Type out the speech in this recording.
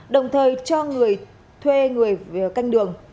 đồng thời cho người thuê người canh đường